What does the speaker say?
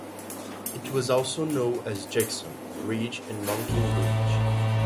It was also known as Jackson's Bridge and Monkey Bridge.